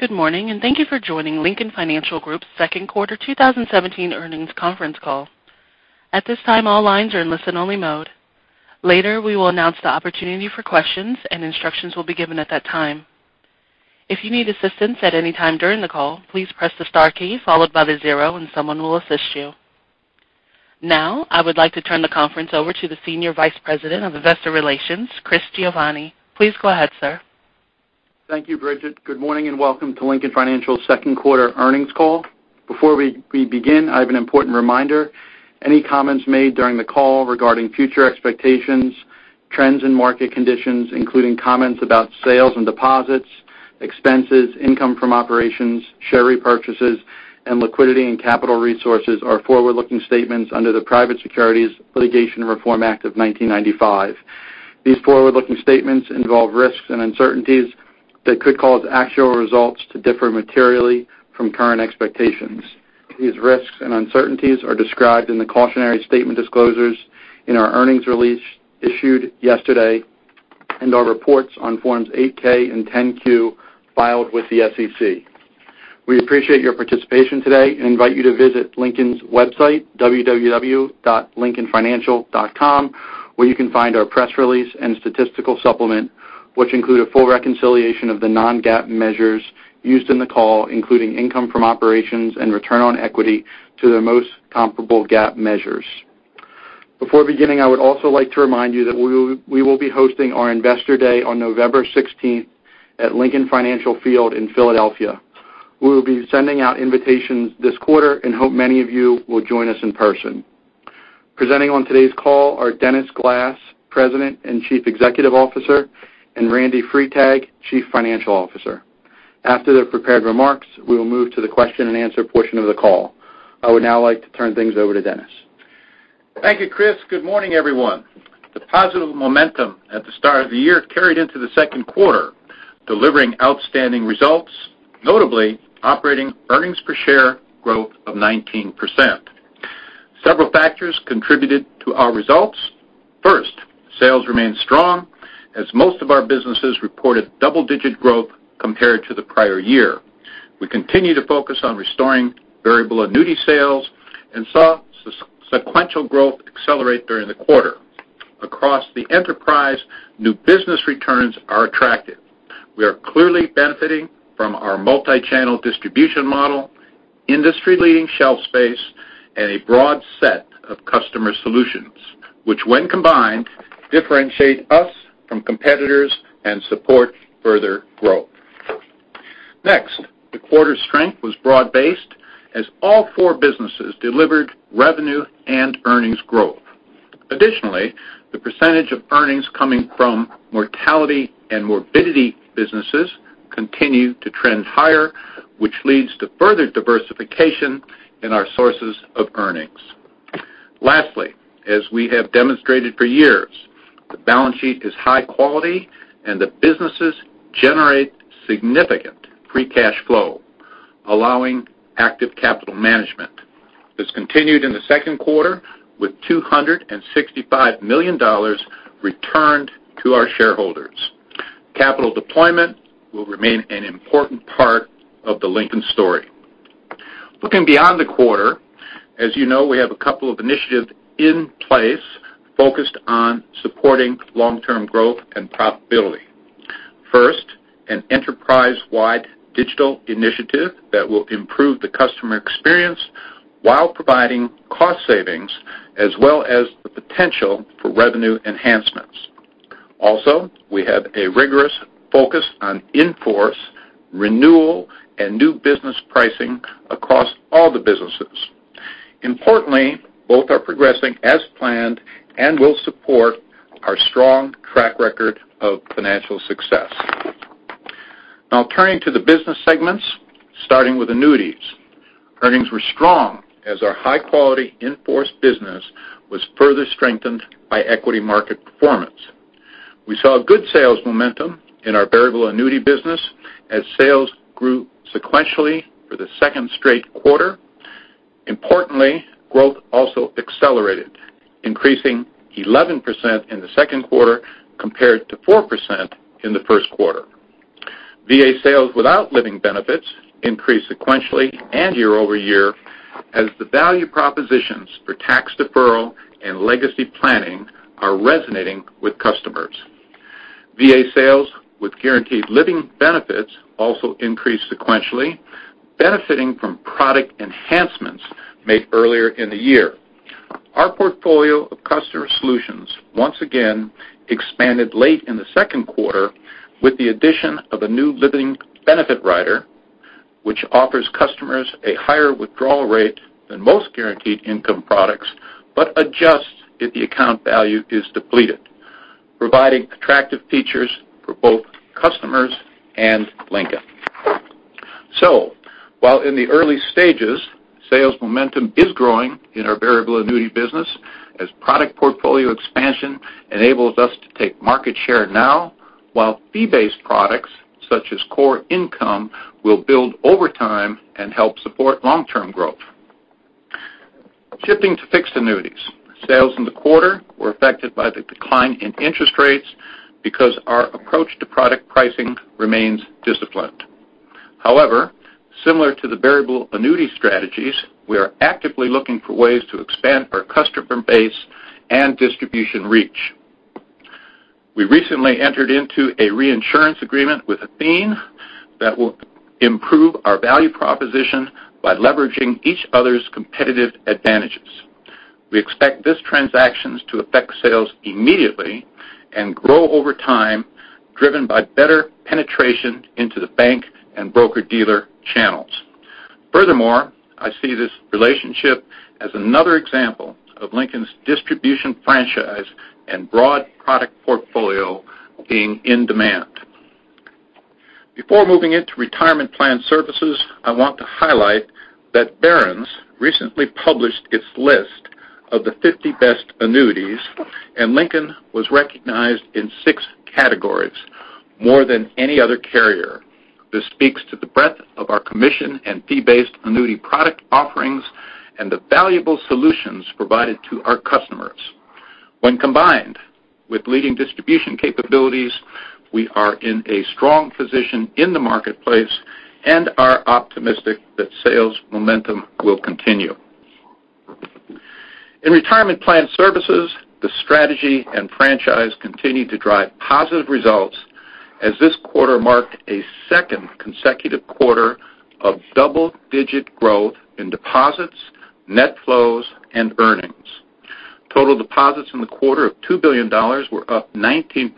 Good morning, thank you for joining Lincoln Financial Group's second quarter 2017 earnings conference call. At this time, all lines are in listen-only mode. Later, we will announce the opportunity for questions, and instructions will be given at that time. If you need assistance at any time during the call, please press the star key followed by the zero, and someone will assist you. I would like to turn the conference over to the Senior Vice President of Investor Relations, Chris Giovanni. Please go ahead, sir. Thank you, Bridget. Good morning and welcome to Lincoln Financial's second quarter earnings call. Before we begin, I have an important reminder. Any comments made during the call regarding future expectations, trends and market conditions, including comments about sales and deposits, expenses, income from operations, share repurchases, and liquidity and capital resources are forward-looking statements under the Private Securities Litigation Reform Act of 1995. These forward-looking statements involve risks and uncertainties that could cause actual results to differ materially from current expectations. These risks and uncertainties are described in the cautionary statement disclosures in our earnings release issued yesterday and our reports on Forms 8-K and 10-Q filed with the SEC. We appreciate your participation today and invite you to visit Lincoln's website, www.lincolnfinancial.com, where you can find our press release and statistical supplement, which include a full reconciliation of the non-GAAP measures used in the call, including income from operations and return on equity to their most comparable GAAP measures. Before beginning, I would also like to remind you that we will be hosting our Investor Day on November 16th at Lincoln Financial Field in Philadelphia. We will be sending out invitations this quarter and hope many of you will join us in person. Presenting on today's call are Dennis Glass, President and Chief Executive Officer, and Randy Freitag, Chief Financial Officer. After their prepared remarks, we will move to the question and answer portion of the call. I would like to turn things over to Dennis. Thank you, Chris. Good morning, everyone. The positive momentum at the start of the year carried into the second quarter, delivering outstanding results, notably operating earnings per share growth of 19%. Several factors contributed to our results. First, sales remained strong as most of our businesses reported double-digit growth compared to the prior year. We continue to focus on restoring variable annuity sales and saw sequential growth accelerate during the quarter. Across the enterprise, new business returns are attractive. We are clearly benefiting from our multi-channel distribution model, industry-leading shelf space, and a broad set of customer solutions, which, when combined, differentiate us from competitors and support further growth. Next, the quarter's strength was broad-based, as all four businesses delivered revenue and earnings growth. Additionally, the percentage of earnings coming from mortality and morbidity businesses continue to trend higher, which leads to further diversification in our sources of earnings. Lastly, as we have demonstrated for years, the balance sheet is high quality, and the businesses generate significant free cash flow, allowing active capital management. This continued in the second quarter with $265 million returned to our shareholders. Capital deployment will remain an important part of the Lincoln story. Looking beyond the quarter, as you know, we have a couple of initiatives in place focused on supporting long-term growth and profitability. First, an enterprise-wide digital initiative that will improve the customer experience while providing cost savings, as well as the potential for revenue enhancements. Also, we have a rigorous focus on in-force renewal and new business pricing across all the businesses. Importantly, both are progressing as planned and will support our strong track record of financial success. Now turning to the business segments, starting with annuities. Earnings were strong as our high-quality in-force business was further strengthened by equity market performance. We saw good sales momentum in our variable annuity business as sales grew sequentially for the second straight quarter. Importantly, growth also accelerated, increasing 11% in the second quarter compared to 4% in the first quarter. VA sales without living benefits increased sequentially and year-over-year as the value propositions for tax deferral and legacy planning are resonating with customers. VA sales with guaranteed living benefits also increased sequentially, benefiting from product enhancements made earlier in the year. Our portfolio of customer solutions once again expanded late in the second quarter with the addition of a new living benefit rider, which offers customers a higher withdrawal rate than most guaranteed income products, but adjusts if the account value is depleted, providing attractive features for both customers and Lincoln. While in the early stages, sales momentum is growing in our variable annuity business as product portfolio expansion enables us to take market share now, while fee-based products such as Core Income will build over time and help support long-term growth. Shifting to fixed annuities. Sales in the quarter were affected by the decline in interest rates because our approach to product pricing remains disciplined. However, similar to the variable annuity strategies, we are actively looking for ways to expand our customer base and distribution reach. We recently entered into a reinsurance agreement with Athene that will improve our value proposition by leveraging each other's competitive advantages. We expect this transaction to affect sales immediately and grow over time, driven by better penetration into the bank and broker-dealer channels. Furthermore, I see this relationship as another example of Lincoln's distribution franchise and broad product portfolio being in demand. Before moving into retirement plan services, I want to highlight that Barron's recently published its list of the 50 best annuities, and Lincoln was recognized in six categories, more than any other carrier. This speaks to the breadth of our commission and fee-based annuity product offerings and the valuable solutions provided to our customers. When combined with leading distribution capabilities, we are in a strong position in the marketplace and are optimistic that sales momentum will continue. In retirement plan services, the strategy and franchise continued to drive positive results as this quarter marked a second consecutive quarter of double-digit growth in deposits, net flows, and earnings. Total deposits in the quarter of $2 billion were up 19%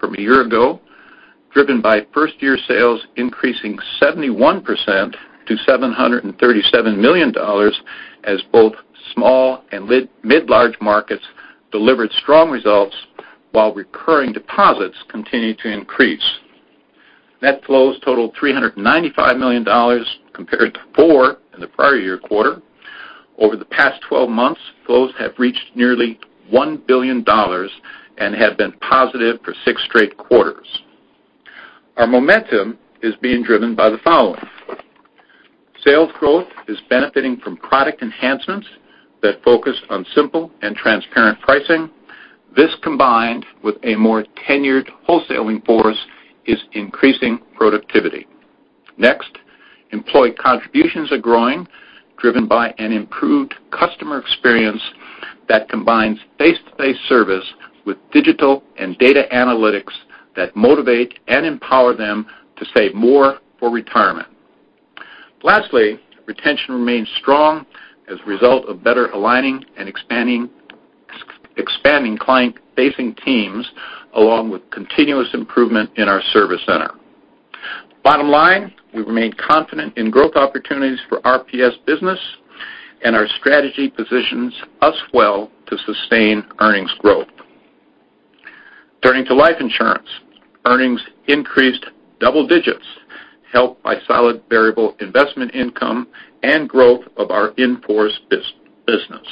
from a year ago, driven by first-year sales increasing 71% to $737 million as both small and mid-large markets delivered strong results while recurring deposits continued to increase. Net flows totaled $395 million compared to four in the prior year quarter. Over the past 12 months, flows have reached nearly $1 billion and have been positive for six straight quarters. Our momentum is being driven by the following. Sales growth is benefiting from product enhancements that focus on simple and transparent pricing. This, combined with a more tenured wholesaling force, is increasing productivity. Next, employee contributions are growing, driven by an improved customer experience that combines face-to-face service with digital and data analytics that motivate and empower them to save more for retirement. Lastly, retention remains strong as a result of better aligning and expanding client-facing teams along with continuous improvement in our service center. Bottom line, we remain confident in growth opportunities for RPS business, and our strategy positions us well to sustain earnings growth. Turning to life insurance. Earnings increased double digits helped by solid variable investment income and growth of our in-force business.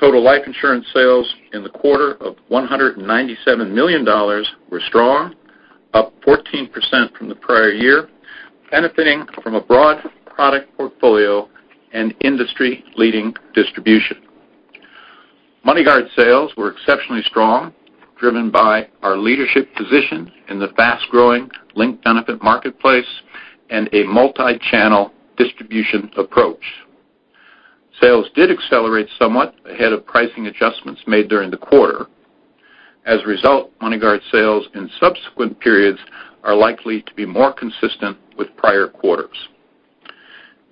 Total life insurance sales in the quarter of $197 million were strong, up 14% from the prior year, benefiting from a broad product portfolio and industry-leading distribution. MoneyGuard sales were exceptionally strong, driven by our leadership position in the fast-growing linked benefit marketplace and a multi-channel distribution approach. Sales did accelerate somewhat ahead of pricing adjustments made during the quarter. As a result, MoneyGuard sales in subsequent periods are likely to be more consistent with prior quarters.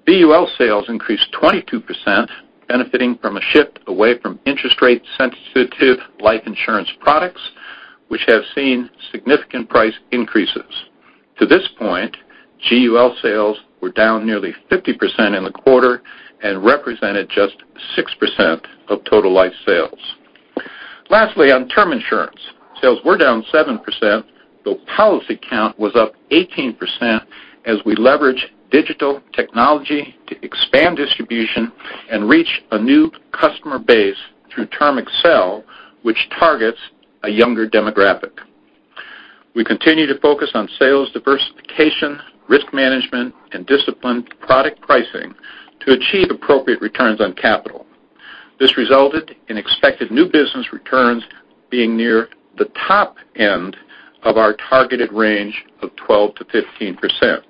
GUL sales increased 22%, benefiting from a shift away from interest-rate sensitive life insurance products, which have seen significant price increases. To this point, GUL sales were down nearly 50% in the quarter and represented just 6% of total life sales. Lastly, on term insurance. Sales were down 7%, though policy count was up 18% as we leverage digital technology to expand distribution and reach a new customer base through TermAccel, which targets a younger demographic. We continue to focus on sales diversification, risk management, and disciplined product pricing to achieve appropriate returns on capital. This resulted in expected new business returns being near the top end of our targeted range of 12%-15%.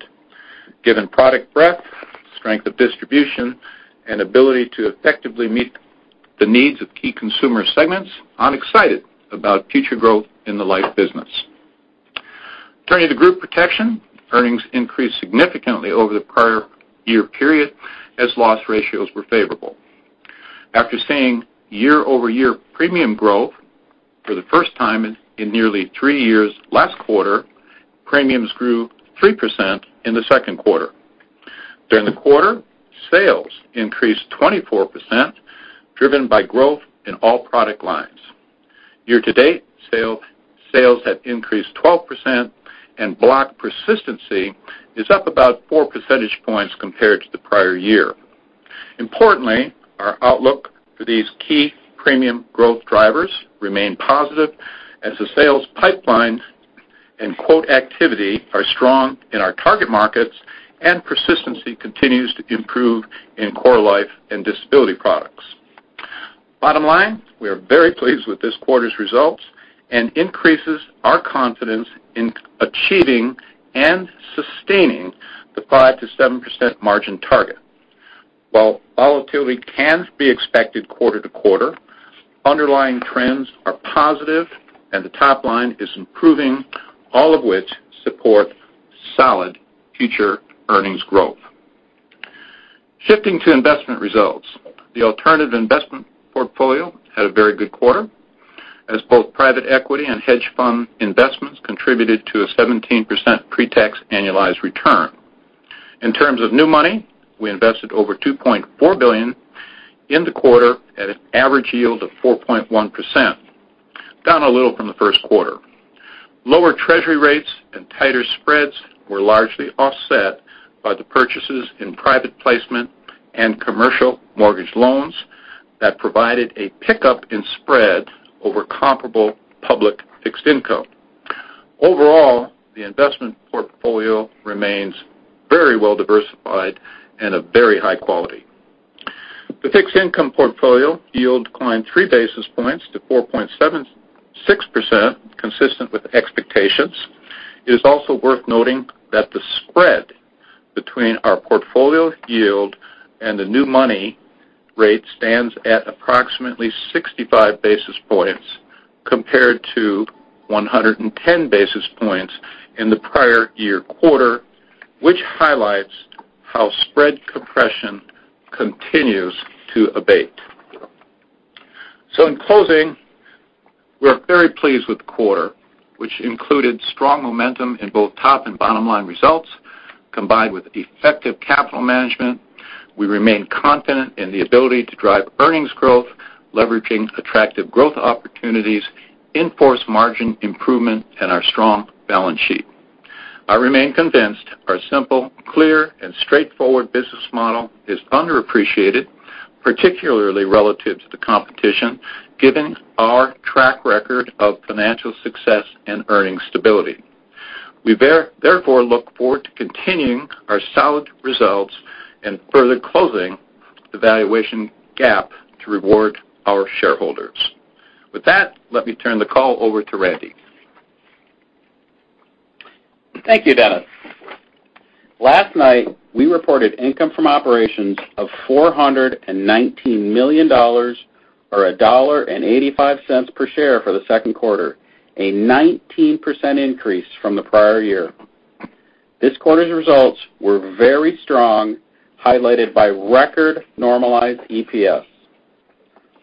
Given product breadth, strength of distribution, and ability to effectively meet the needs of key consumer segments, I'm excited about future growth in the life business. Turning to group protection, earnings increased significantly over the prior year period as loss ratios were favorable. After seeing year-over-year premium growth for the first time in nearly three years last quarter, premiums grew 3% in the second quarter. During the quarter, sales increased 24%, driven by growth in all product lines. Year-to-date, sales have increased 12%, and block persistency is up about four percentage points compared to the prior year. Importantly, our outlook for these key premium growth drivers remain positive as the sales pipeline and quote activity are strong in our target markets, and persistency continues to improve in core life and disability products. Bottom line, we are very pleased with this quarter's results and increases our confidence in achieving and sustaining the 5%-7% margin target. While volatility can be expected quarter-to-quarter, underlying trends are positive and the top line is improving, all of which support solid future earnings growth. Shifting to investment results, the alternative investment portfolio had a very good quarter, as both private equity and hedge fund investments contributed to a 17% pre-tax annualized return. In terms of new money, we invested over $2.4 billion in the quarter at an average yield of 4.1%, down a little from the first quarter. Lower treasury rates and tighter spreads were largely offset by the purchases in private placement and commercial mortgage loans that provided a pickup in spread over comparable public fixed income. Overall, the investment portfolio remains very well-diversified and a very high quality. The fixed income portfolio yield declined three basis points to 4.76%, consistent with expectations. It is also worth noting that the spread between our portfolio yield and the new money rate stands at approximately 65 basis points, compared to 110 basis points in the prior year quarter, which highlights how spread compression continues to abate. In closing, we are very pleased with the quarter, which included strong momentum in both top and bottom line results, combined with effective capital management. We remain confident in the ability to drive earnings growth, leveraging attractive growth opportunities, in-force margin improvement, and our strong balance sheet. I remain convinced our simple, clear, and straightforward business model is underappreciated, particularly relative to the competition, given our track record of financial success and earnings stability. We therefore look forward to continuing our solid results and further closing the valuation gap to reward our shareholders. With that, let me turn the call over to Randy. Thank you, Dennis. Last night, we reported income from operations of $419 million, or $1.85 per share for the second quarter, a 19% increase from the prior year. This quarter's results were very strong, highlighted by record normalized EPS.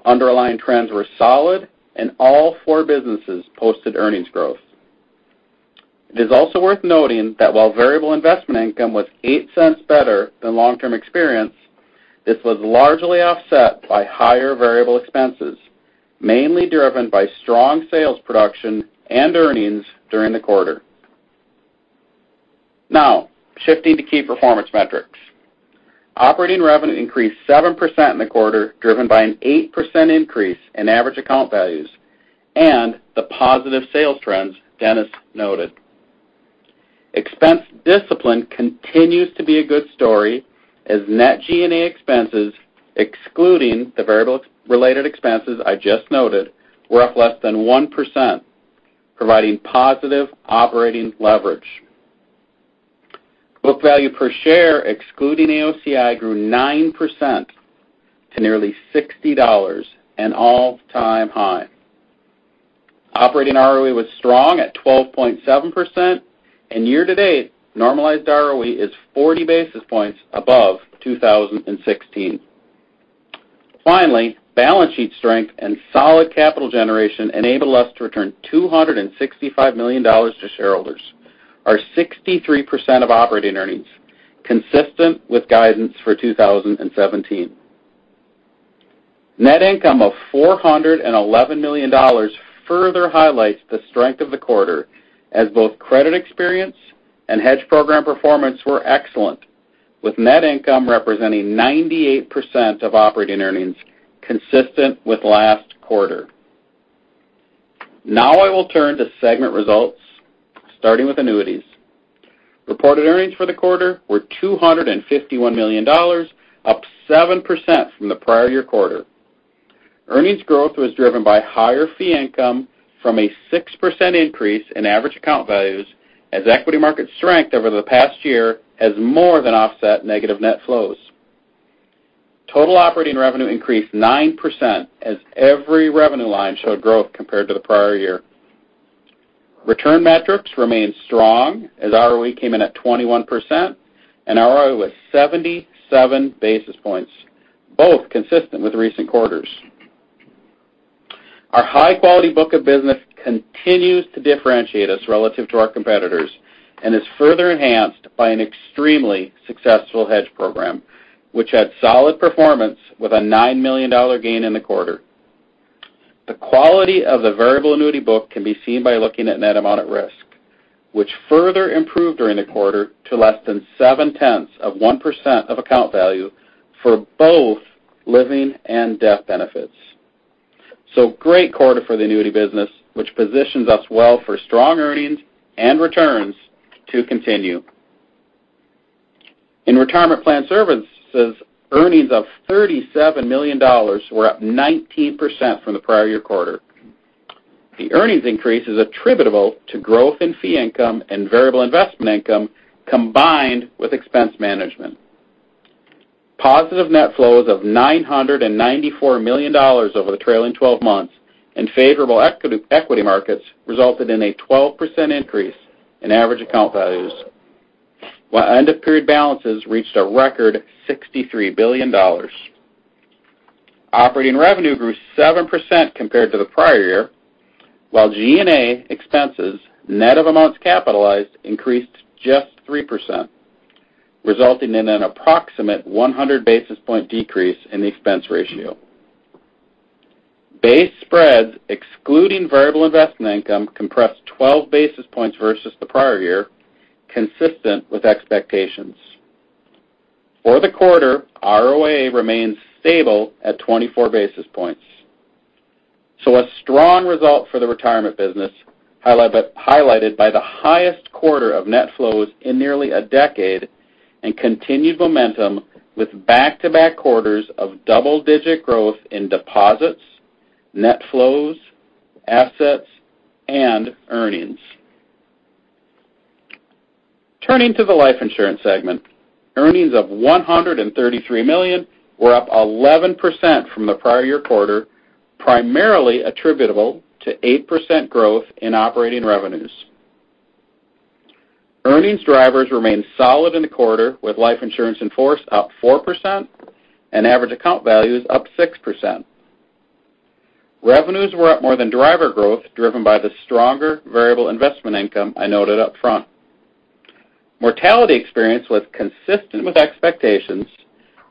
Underlying trends were solid, and all four businesses posted earnings growth. It is also worth noting that while variable investment income was $0.08 better than long-term experience, this was largely offset by higher variable expenses, mainly driven by strong sales production and earnings during the quarter. Shifting to key performance metrics. Operating revenue increased 7% in the quarter, driven by an 8% increase in average account values and the positive sales trends Dennis noted. Expense discipline continues to be a good story, as net G&A expenses, excluding the variable related expenses I just noted, were up less than 1%, providing positive operating leverage. Book value per share, excluding AOCI, grew 9% to nearly $60, an all-time high. Operating ROE was strong at 12.7%, and year to date, normalized ROE is 40 basis points above 2016. Finally, balance sheet strength and solid capital generation enabled us to return $265 million to shareholders, or 63% of operating earnings, consistent with guidance for 2017. Net income of $411 million further highlights the strength of the quarter, as both credit experience and hedge program performance were excellent, with net income representing 98% of operating earnings consistent with last quarter. I will turn to segment results, starting with annuities. Reported earnings for the quarter were $251 million, up 7% from the prior year quarter. Earnings growth was driven by higher fee income from a 6% increase in average account values as equity market strength over the past year has more than offset negative net flows. Total operating revenue increased 9%, as every revenue line showed growth compared to the prior year. Return metrics remained strong as ROE came in at 21% and ROA was 77 basis points, both consistent with recent quarters. Our high-quality book of business continues to differentiate us relative to our competitors and is further enhanced by an extremely successful hedge program, which had solid performance with a $9 million gain in the quarter. The quality of the variable annuity book can be seen by looking at net amount at risk, which further improved during the quarter to less than seven-tenths of 1% of account value for both living and death benefits. Great quarter for the annuity business, which positions us well for strong earnings and returns to continue. In retirement plan services, earnings of $37 million were up 19% from the prior year quarter. The earnings increase is attributable to growth in fee income and variable investment income, combined with expense management. Positive net flows of $994 million over the trailing 12 months and favorable equity markets resulted in a 12% increase in average account values, while end-of-period balances reached a record $63 billion. Operating revenue grew 7% compared to the prior year, while G&A expenses, net of amounts capitalized, increased just 3%, resulting in an approximate 100 basis point decrease in the expense ratio. Base spreads excluding variable investment income compressed 12 basis points versus the prior year, consistent with expectations. For the quarter, ROA remains stable at 24 basis points. A strong result for the retirement business, highlighted by the highest quarter of net flows in nearly a decade and continued momentum with back-to-back quarters of double-digit growth in deposits, net flows, assets, and earnings. Turning to the life insurance segment, earnings of $133 million were up 11% from the prior year quarter, primarily attributable to 8% growth in operating revenues. Earnings drivers remained solid in the quarter, with life insurance in force up 4% and average account values up 6%. Revenues were up more than driver growth, driven by the stronger variable investment income I noted upfront. Mortality experience was consistent with expectations,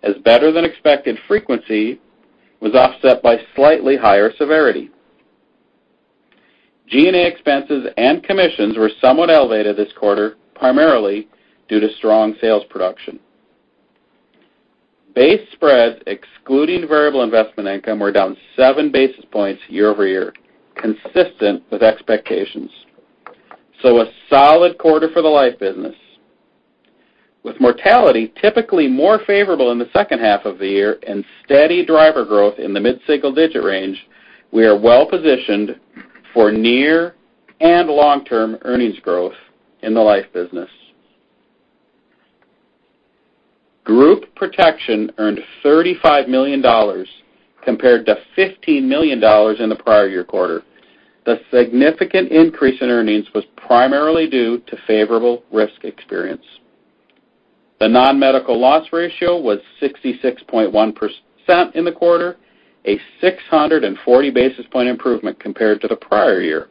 as better-than-expected frequency was offset by slightly higher severity. G&A expenses and commissions were somewhat elevated this quarter, primarily due to strong sales production. Base spreads excluding variable investment income were down seven basis points year-over-year, consistent with expectations. A solid quarter for the life business. With mortality typically more favorable in the second half of the year and steady driver growth in the mid-single digit range, we are well-positioned for near and long-term earnings growth in the life business. Group Protection earned $35 million compared to $15 million in the prior year quarter. The significant increase in earnings was primarily due to favorable risk experience. The non-medical loss ratio was 66.1% in the quarter, a 640 basis point improvement compared to the prior year,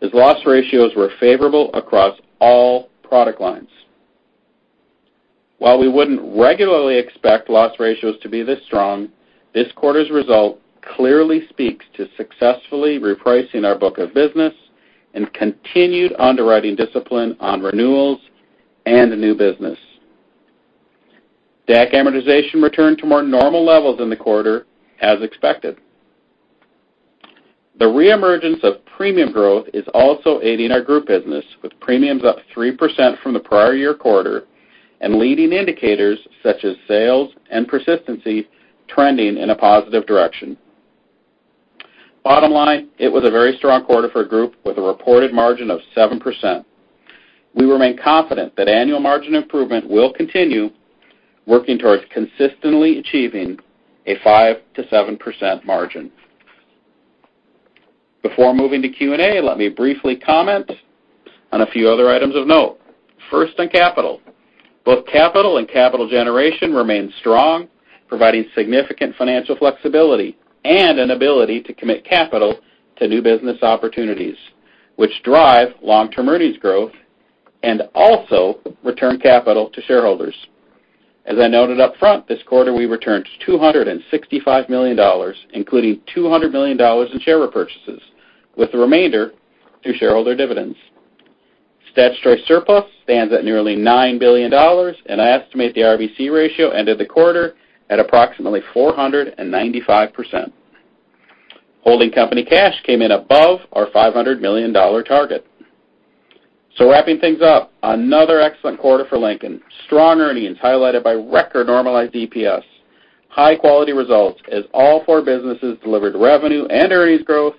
as loss ratios were favorable across all product lines. While we wouldn't regularly expect loss ratios to be this strong, this quarter's result clearly speaks to successfully repricing our book of business and continued underwriting discipline on renewals and new business. DAC amortization returned to more normal levels in the quarter, as expected. The re-emergence of premium growth is also aiding our Group business, with premiums up 3% from the prior year quarter and leading indicators such as sales and persistency trending in a positive direction. Bottom line, it was a very strong quarter for Group with a reported margin of 7%. We remain confident that annual margin improvement will continue, working towards consistently achieving a 5%-7% margin. Before moving to Q&A, let me briefly comment on a few other items of note. First, on capital. Both capital and capital generation remain strong, providing significant financial flexibility and an ability to commit capital to new business opportunities, which drive long-term earnings growth and also return capital to shareholders. As I noted upfront, this quarter, we returned $265 million, including $200 million in share repurchases, with the remainder to shareholder dividends. Statutory surplus stands at nearly $9 billion, and I estimate the RBC ratio end of the quarter at approximately 495%. Holding company cash came in above our $500 million target. Wrapping things up, another excellent quarter for Lincoln. Strong earnings highlighted by record normalized EPS. High-quality results as all four businesses delivered revenue and earnings growth,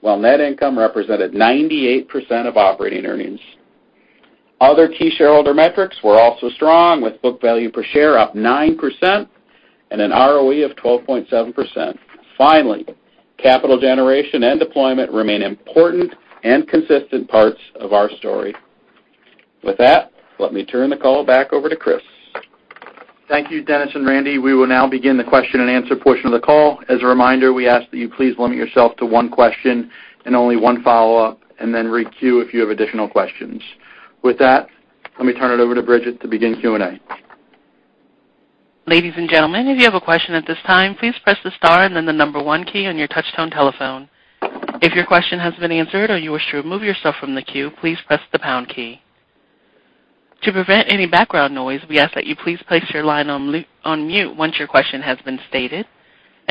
while net income represented 98% of operating earnings. Other key shareholder metrics were also strong, with book value per share up 9% and an ROE of 12.7%. Finally, capital generation and deployment remain important and consistent parts of our story. With that, let me turn the call back over to Chris. Thank you, Dennis and Randy. We will now begin the question and answer portion of the call. As a reminder, we ask that you please limit yourself to one question and only one follow-up, and then re-queue if you have additional questions. With that, let me turn it over to Bridget to begin Q&A. Ladies and gentlemen, if you have a question at this time, please press the star and then the number one key on your touchtone telephone. If your question has been answered or you wish to remove yourself from the queue, please press the pound key. To prevent any background noise, we ask that you please place your line on mute once your question has been stated.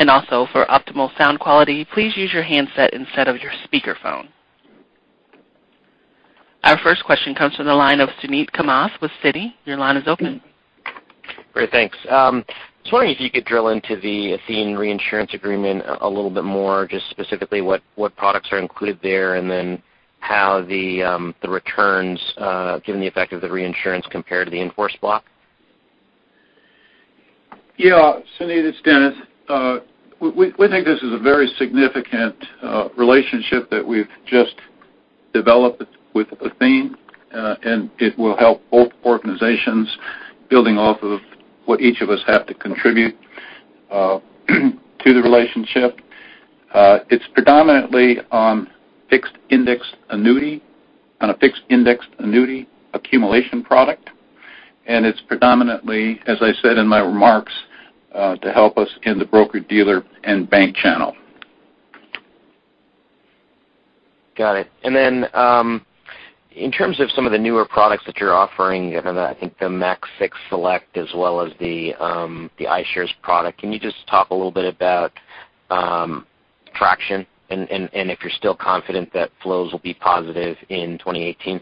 Also for optimal sound quality, please use your handset instead of your speakerphone. Our first question comes from the line of Suneet Kamath with Citi. Your line is open. Great. Thanks. I was wondering if you could drill into the Athene reinsurance agreement a little bit more, just specifically what products are included there, and then how the returns, given the effect of the reinsurance compared to the in-force block. Yeah. Suneet, it's Dennis. We think this is a very significant relationship that we've just developed with Athene, it will help both organizations building off of what each of us have to contribute to the relationship. It's predominantly on a fixed indexed annuity accumulation product, it's predominantly, as I said in my remarks, to help us in the broker-dealer and bank channel. Got it. In terms of some of the newer products that you're offering, I think the MAX 6 Select as well as the iShares product, can you just talk a little bit about traction and if you're still confident that flows will be positive in 2018?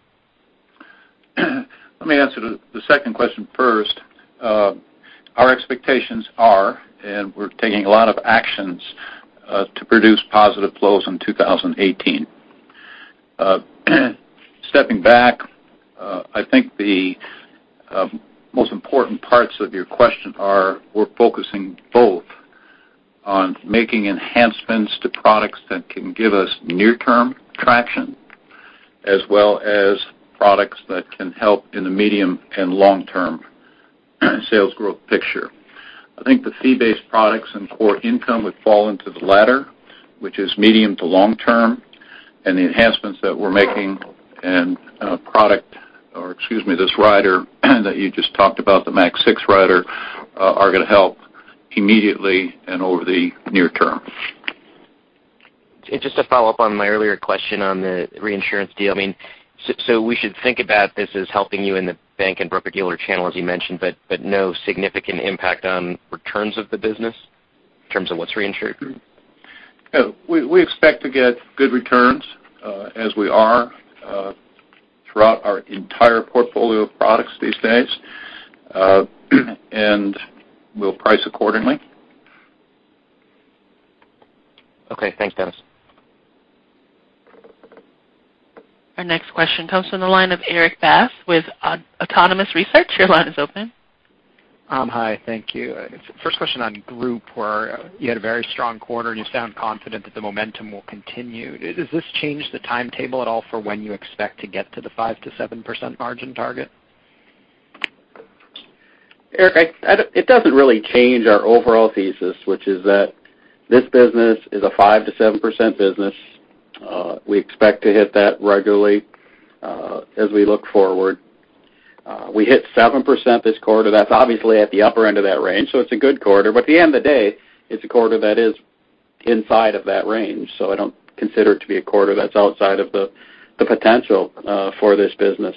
Let me answer the second question first. Our expectations are, we're taking a lot of actions, to produce positive flows in 2018. Stepping back, I think the most important parts of your question are we're focusing both on making enhancements to products that can give us near-term traction, as well as products that can help in the medium and long-term sales growth picture. I think the fee-based products and Lincoln Core Income would fall into the latter, which is medium to long-term. The enhancements that we're making and this rider that you just talked about, the MAX 6 rider, are going to help immediately and over the near term. Just to follow up on my earlier question on the reinsurance deal, we should think about this as helping you in the bank and broker-dealer channel, as you mentioned, but no significant impact on returns of the business in terms of what's reinsured? No. We expect to get good returns, as we are throughout our entire portfolio of products these days, and we'll price accordingly. Okay. Thanks, Dennis. Our next question comes from the line of Erik Bass with Autonomous Research. Your line is open. Hi. Thank you. First question on group, where you had a very strong quarter, and you sound confident that the momentum will continue. Does this change the timetable at all for when you expect to get to the 5%-7% margin target? Erik, it doesn't really change our overall thesis, which is that this business is a 5%-7% business. We expect to hit that regularly as we look forward. We hit 7% this quarter. That's obviously at the upper end of that range, so it's a good quarter. At the end of the day, it's a quarter that is inside of that range, so I don't consider it to be a quarter that's outside of the potential for this business.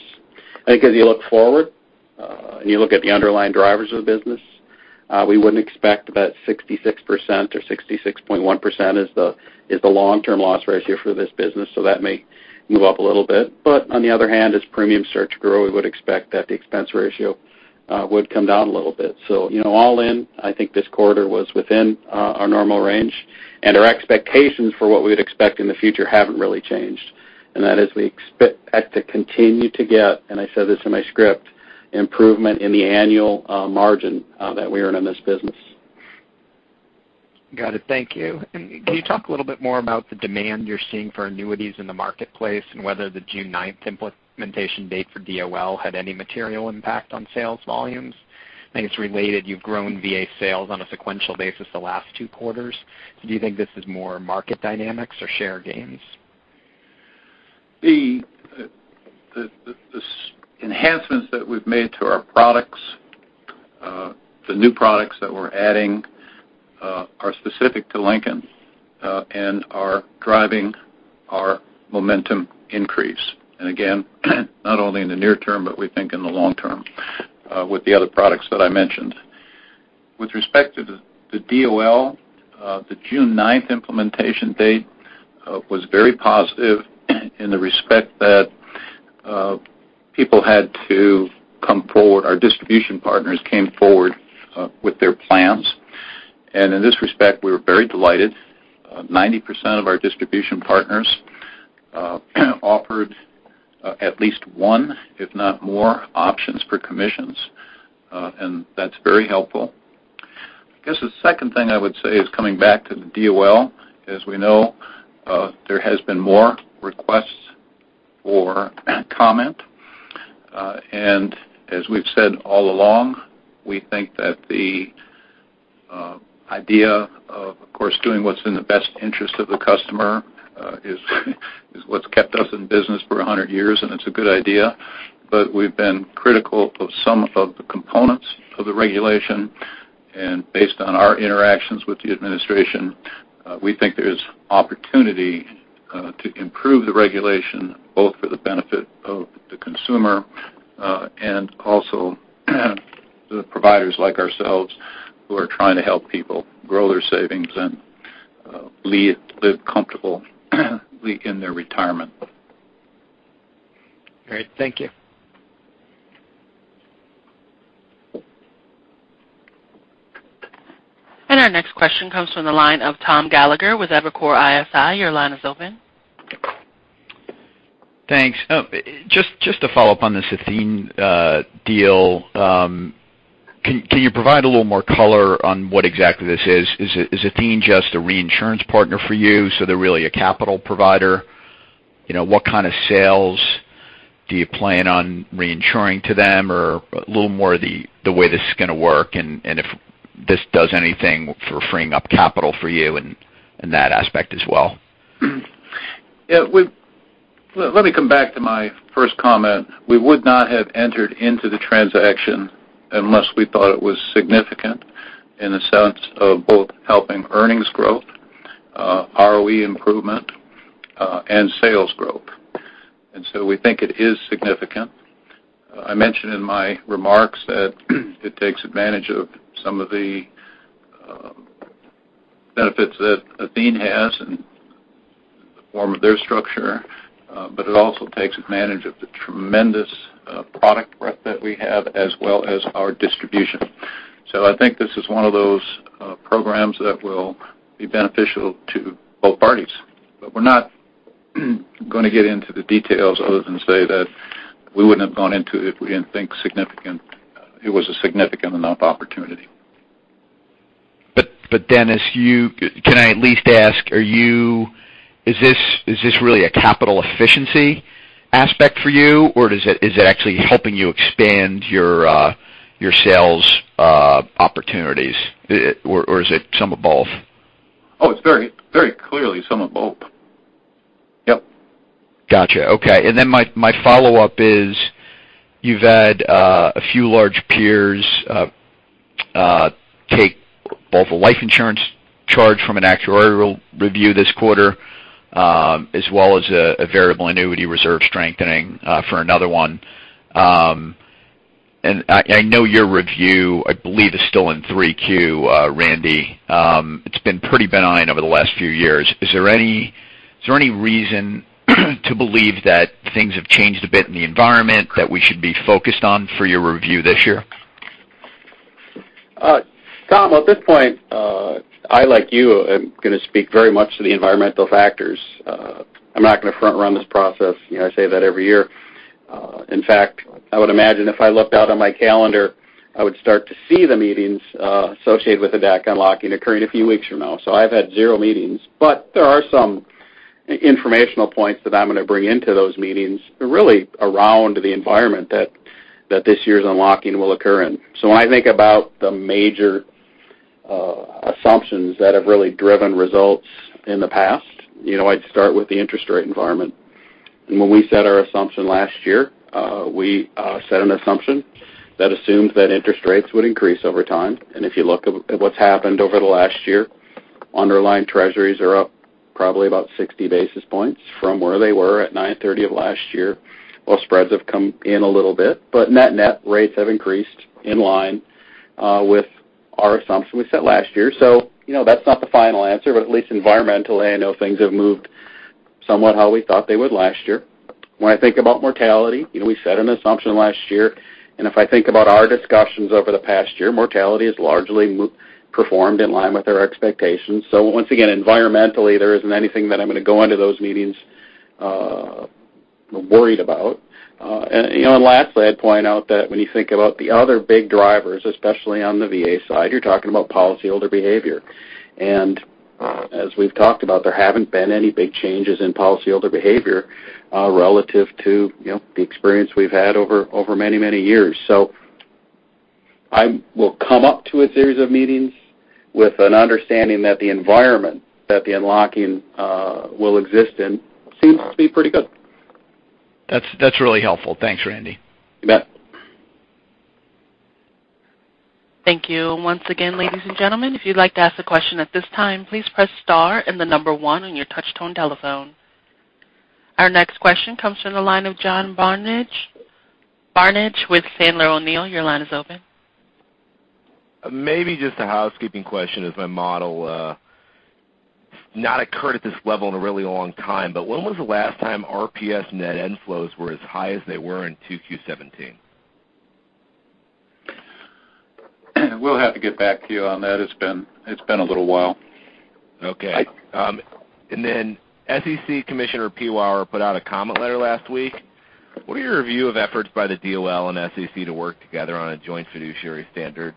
I think as you look forward, and you look at the underlying drivers of the business, we wouldn't expect about 66% or 66.1% is the long-term loss ratio for this business. That may move up a little bit. On the other hand, as premiums start to grow, we would expect that the expense ratio would come down a little bit. All in, I think this quarter was within our normal range, and our expectations for what we'd expect in the future haven't really changed. That is we expect to continue to get, and I said this in my script, improvement in the annual margin that we earn in this business. Got it. Thank you. Can you talk a little bit more about the demand you're seeing for annuities in the marketplace and whether the June 9th implementation date for DOL had any material impact on sales volumes? I think it's related. You've grown VA sales on a sequential basis the last two quarters. Do you think this is more market dynamics or share gains? The enhancements that we've made to our products, the new products that we're adding are specific to Lincoln and are driving our momentum increase. Again, not only in the near term, but we think in the long term with the other products that I mentioned. With respect to the DOL, the June 9th implementation date was very positive in the respect that our distribution partners came forward with their plans. In this respect, we were very delighted. 90% of our distribution partners offered at least one, if not more, options for commissions. That's very helpful. I guess the second thing I would say is coming back to the DOL. As we know, there has been more requests for comment. As we've said all along, we think that the idea of course, doing what's in the best interest of the customer is what's kept us in business for 100 years, and it's a good idea. We've been critical of some of the components of the regulation. Based on our interactions with the administration, we think there's opportunity to improve the regulation, both for the benefit of the consumer and also the providers like ourselves who are trying to help people grow their savings and live comfortably in their retirement. Great. Thank you. Our next question comes from the line of Thomas Gallagher with Evercore ISI. Your line is open. Thanks. Just to follow up on this Athene deal, can you provide a little more color on what exactly this is? Is Athene just a reinsurance partner for you, so they're really a capital provider? What kind of sales do you plan on reinsuring to them? A little more the way this is going to work, and if this does anything for freeing up capital for you in that aspect as well. Let me come back to my first comment. We would not have entered into the transaction unless we thought it was significant in the sense of both helping earnings growth, ROE improvement, and sales growth. We think it is significant. I mentioned in my remarks that it takes advantage of some of the benefits that Athene has in the form of their structure, it also takes advantage of the tremendous product breadth that we have as well as our distribution. I think this is one of those programs that will be beneficial to both parties. We're not going to get into the details other than say that we wouldn't have gone into it if we didn't think it was a significant enough opportunity. Dennis, can I at least ask, is this really a capital efficiency aspect for you, or is it actually helping you expand your sales opportunities? Is it some of both? It's very clearly some of both. Yep. Got you. Okay. My follow-up is, you've had a few large peers take both a life insurance charge from an actuarial review this quarter as well as a variable annuity reserve strengthening for another one. I know your review, I believe, is still in Q3, Randy. It's been pretty benign over the last few years. Is there any reason to believe that things have changed a bit in the environment that we should be focused on for your review this year? Tom, at this point, I, like you, am going to speak very much to the environmental factors. I'm not going to front run this process. I say that every year. In fact, I would imagine if I looked out on my calendar, I would start to see the meetings associated with the DAC unlocking occurring a few weeks from now. I've had zero meetings. There are some informational points that I'm going to bring into those meetings, really around the environment that this year's unlocking will occur in. When I think about the major assumptions that have really driven results in the past, I'd start with the interest rate environment. When we set our assumption last year, we set an assumption that assumes that interest rates would increase over time. If you look at what's happened over the last year, underlying treasuries are up probably about 60 basis points from where they were at 930 of last year, while spreads have come in a little bit. Net rates have increased in line with our assumption we set last year. That's not the final answer, but at least environmentally, I know things have moved somewhat how we thought they would last year. When I think about mortality, we set an assumption last year, if I think about our discussions over the past year, mortality has largely performed in line with our expectations. Once again, environmentally, there isn't anything that I'm going to go into those meetings worried about. Lastly, I'd point out that when you think about the other big drivers, especially on the VA side, you're talking about policyholder behavior. As we've talked about, there haven't been any big changes in policyholder behavior relative to the experience we've had over many, many years. I will come up to a series of meetings with an understanding that the environment that the unlocking will exist in seems to be pretty good. That's really helpful. Thanks, Randy. You bet. Thank you once again, ladies and gentlemen. If you'd like to ask a question at this time, please press star and the number one on your touch-tone telephone. Our next question comes from the line of John Barnidge with Sandler O'Neill. Your line is open. Maybe just a housekeeping question as my model not occurred at this level in a really long time, when was the last time RPS net inflows were as high as they were in Q2 2017? We'll have to get back to you on that. It's been a little while. Okay. SEC Commissioner Piwowar put out a comment letter last week. What are your view of efforts by the DOL and SEC to work together on a joint fiduciary standard?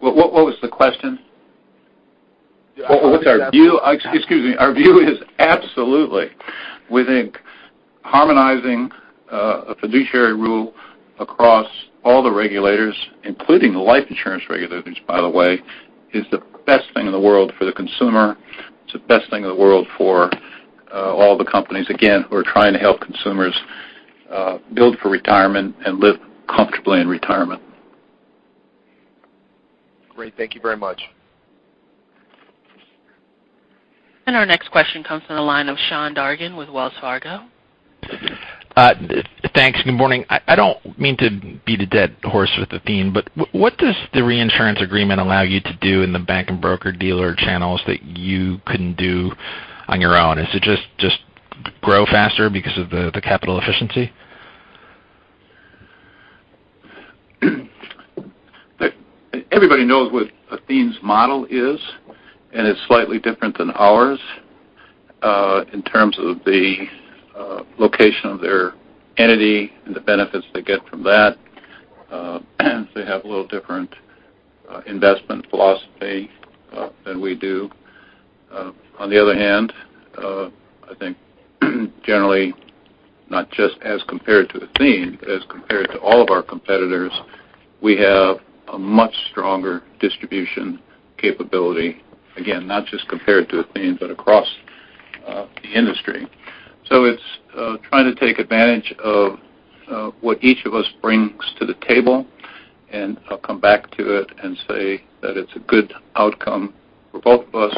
What was the question? Yeah, I think. What's our view? Excuse me. Our view is absolutely. We think harmonizing a fiduciary rule across all the regulators, including the life insurance regulators, by the way, is the best thing in the world for the consumer. It's the best thing in the world for all the companies, again, who are trying to help consumers build for retirement and live comfortably in retirement. Great. Thank you very much. Our next question comes from the line of Sean Dargan with Wells Fargo. Thanks. Good morning. I don't mean to beat a dead horse with Athene, but what does the reinsurance agreement allow you to do in the bank and broker-dealer channels that you couldn't do on your own? Is it just grow faster because of the capital efficiency? Everybody knows what Athene's model is. It's slightly different than ours in terms of the location of their entity and the benefits they get from that. They have a little different investment philosophy than we do. On the other hand, I think generally, not just as compared to Athene, as compared to all of our competitors, we have a much stronger distribution capability. Again, not just compared to Athene, but across the industry. It's trying to take advantage of what each of us brings to the table, and I'll come back to it and say that it's a good outcome for both of us,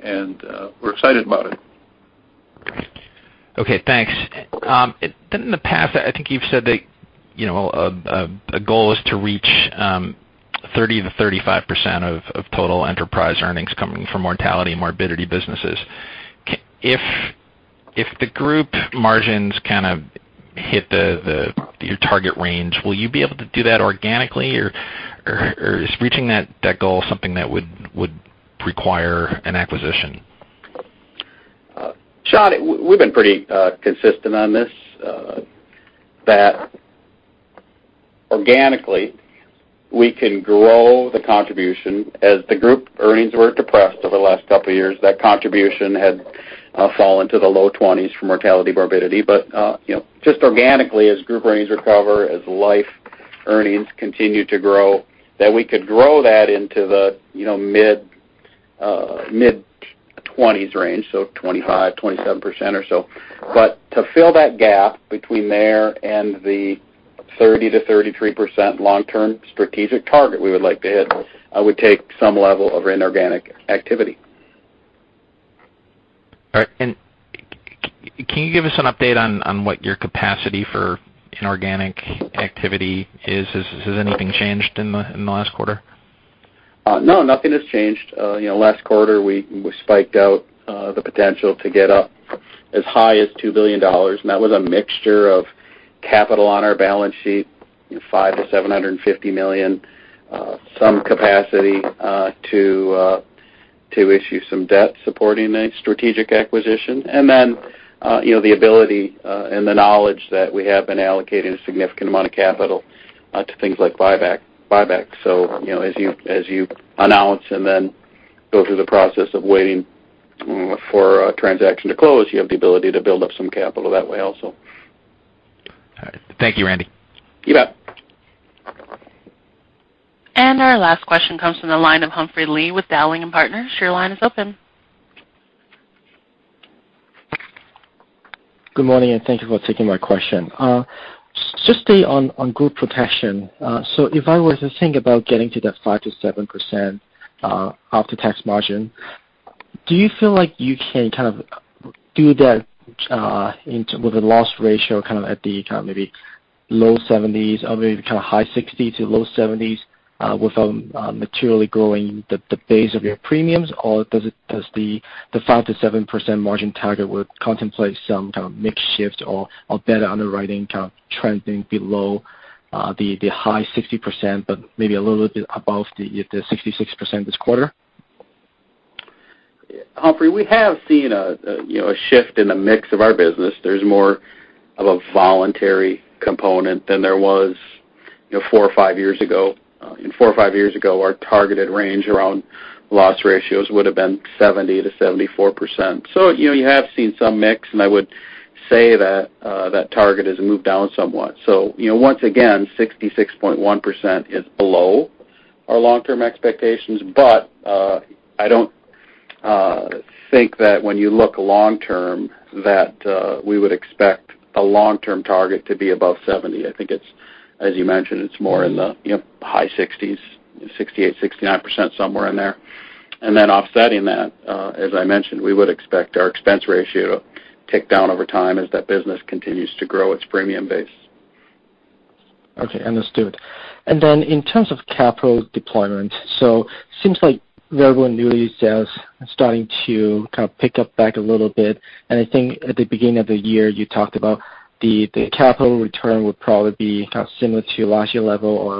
and we're excited about it. Okay, thanks. In the past, I think you've said that a goal is to reach 30%-35% of total enterprise earnings coming from mortality and morbidity businesses. If the group margins kind of hit your target range, will you be able to do that organically, or is reaching that goal something that would require an acquisition? Sean, we've been pretty consistent on this, that organically, we can grow the contribution. As the group earnings were depressed over the last couple of years, that contribution had fallen to the low 20s for mortality, morbidity. Just organically, as group earnings recover, as life earnings continue to grow, that we could grow that into the mid-20s range, so 25%, 27% or so. To fill that gap between there and the 30%-33% long-term strategic target we would like to hit, would take some level of inorganic activity. All right. Can you give us an update on what your capacity for inorganic activity is? Has anything changed in the last quarter? No, nothing has changed. Last quarter, we spiked out the potential to get up as high as $2 billion, that was a mixture of capital on our balance sheet, $500 million-$750 million. Some capacity to issue some debt supporting a strategic acquisition. Then, the ability and the knowledge that we have been allocating a significant amount of capital to things like buyback. As you announce and then go through the process of waiting for a transaction to close, you have the ability to build up some capital that way also. All right. Thank you, Randy. You bet. Our last question comes from the line of Humphrey Lee with Dowling & Partners. Your line is open. Good morning, and thank you for taking my question. Just stay on group protection. If I were to think about getting to that 5%-7% after-tax margin, do you feel like you can kind of do that with a loss ratio at the kind of maybe low 70s or maybe the kind of high 60s or low 70s without materially growing the base of your premiums? Does the 5%-7% margin target would contemplate some kind of mix shift or better underwriting kind of trending below the high 60%, but maybe a little bit above the 66% this quarter? Humphrey, we have seen a shift in the mix of our business. There's more of a voluntary component than there was four or five years ago. Four or five years ago, our targeted range around loss ratios would have been 70%-74%. You have seen some mix, and I would say that target has moved down somewhat. Once again, 66.1% is below our long-term expectations. I don't think that when you look long term, that we would expect a long-term target to be above 70. I think it's, as you mentioned, it's more in the high 60s, 68%, 69%, somewhere in there. Offsetting that, as I mentioned, we would expect our expense ratio to tick down over time as that business continues to grow its premium base. Okay, understood. In terms of capital deployment, seems like variable annuity sales are starting to kind of pick up back a little bit. I think at the beginning of the year, you talked about the capital return would probably be kind of similar to last year level or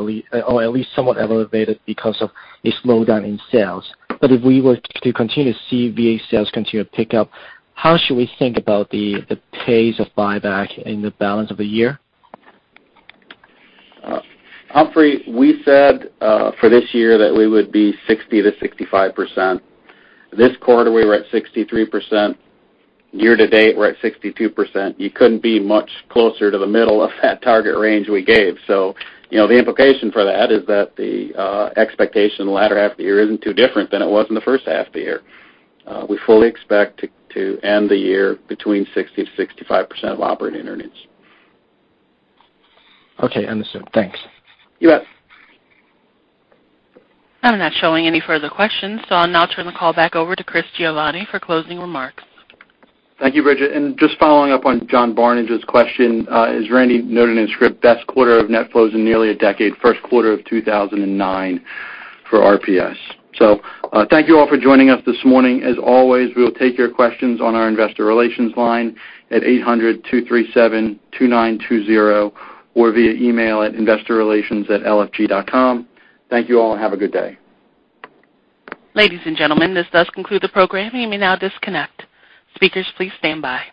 at least somewhat elevated because of a slowdown in sales. If we were to continue to see VA sales continue to pick up, how should we think about the pace of buyback in the balance of the year? Humphrey, we said for this year that we would be 60%-65%. This quarter, we were at 63%. Year to date, we're at 62%. You couldn't be much closer to the middle of that target range we gave. The implication for that is that the expectation the latter half of the year isn't too different than it was in the first half of the year. We fully expect to end the year between 60%-65% of operating earnings. Okay, understood. Thanks. You bet. I'm not showing any further questions, so I'll now turn the call back over to Chris Giovanni for closing remarks. Thank you, Bridget. Just following up on John Barnidge's question, as Randy noted in script, best quarter of net flows in nearly a decade, first quarter of 2009 for RPS. Thank you all for joining us this morning. As always, we will take your questions on our investor relations line at 800-237-2920 or via email at investorrelations@lfg.com. Thank you all, and have a good day. Ladies and gentlemen, this does conclude the program. You may now disconnect. Speakers, please stand by.